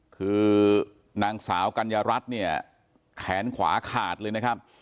คือนางสาวกัญญารัฐเนี่ยแขนขวาขาดเลยนะครับ